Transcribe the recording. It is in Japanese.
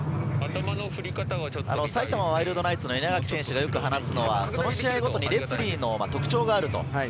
埼玉ワイルドナイツの稲垣選手がよく話すのは、その試合ごとにレフェリーの特徴がある。